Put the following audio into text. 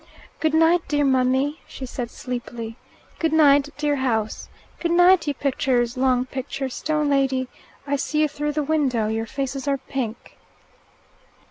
"Good night, dear mummy," she said sleepily. "Goodnight, dear house. Good night, you pictures long picture stone lady. I see you through the window your faces are pink."